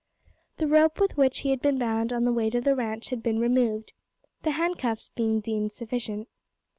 The rope with which he had been bound on the way to the ranch had been removed, the handcuffs being deemed sufficient.